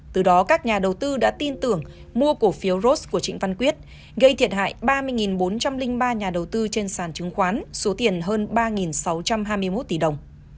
từ đó các nhà đầu tư đã tin tưởng mua cổ phiếu ros của trịnh văn quyết gây thiệt hại ba mươi bốn trăm linh ba nhà đầu tư trên sàn chứng khoán số tiền hơn ba sáu trăm hai mươi một tỷ đồng